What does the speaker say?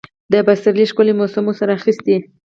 د پسرلي ښکلي موسم ورسره اخیستی.